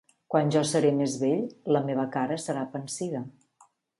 Quan jo seré més vell, la meva cara serà pansida.